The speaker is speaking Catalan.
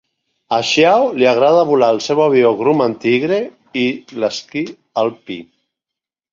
A Chiao li agrada volar el seu avió Grumman Tigre, i l'esquí alpí.